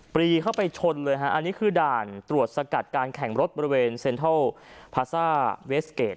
รีเข้าไปชนเลยฮะอันนี้คือด่านตรวจสกัดการแข่งรถบริเวณเซ็นทรัลพาซ่าเวสเกจ